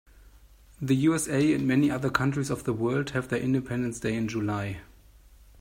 The USA and many other countries of the world have their independence day in July.